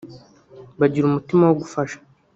bagira umutima wo gufasha